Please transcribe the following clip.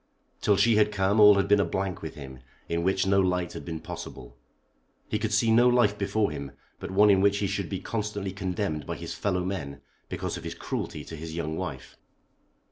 Till she had come all had been a blank with him, in which no light had been possible. He could see no life before him but one in which he should be constantly condemned by his fellow men because of his cruelty to his young wife.